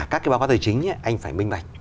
các cơ quan tài chính anh phải minh mạch